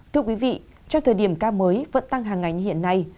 thưa quý vị trong thời điểm ca mới vận tăng hàng ngành hiện nay